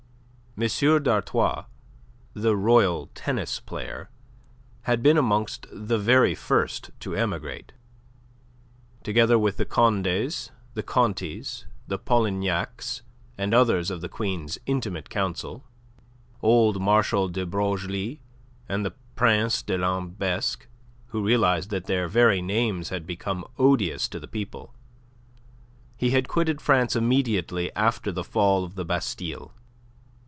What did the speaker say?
M. d'Artois the royal tennis player had been amongst the very first to emigrate. Together with the Condes, the Contis, the Polignacs, and others of the Queen's intimate council, old Marshal de Broglie and the Prince de Lambesc, who realized that their very names had become odious to the people, he had quitted France immediately after the fall of the Bastille.